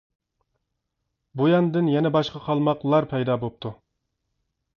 بۇياندىن يەنە باشقا قالماقلار پەيدا بوپتۇ.